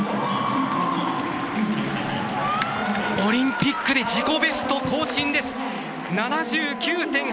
オリンピックで自己ベスト更新です。